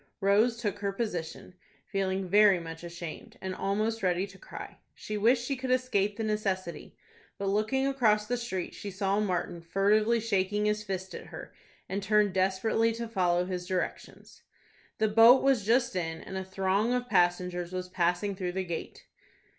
Rose took her position, feeling very much ashamed, and almost ready to cry. She wished she could escape the necessity; but looking across the street she saw Martin furtively shaking his fist at her, and turned desperately to follow his directions. The boat was just in, and a throng of passengers was passing through the gate.